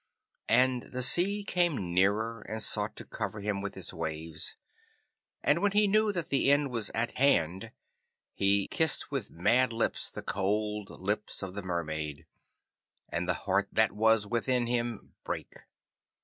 And the sea came nearer, and sought to cover him with its waves, and when he knew that the end was at hand he kissed with mad lips the cold lips of the Mermaid, and the heart that was within him brake.